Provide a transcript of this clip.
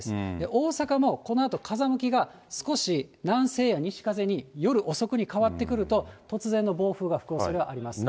大阪もこのあと風向きが少し南西や西風に夜遅くに変わってくると、突然の暴風が吹くおそれがあります。